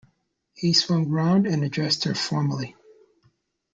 He swung round and addressed her formally.